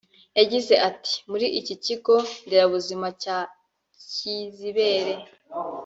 yagize ati “muri iki kigo nderabuzima cya Kizibere